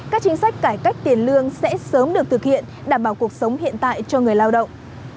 các chính sách cải cách tiền lương sẽ sớm được thực hiện đảm bảo cuộc sống hiện tại cho người lao động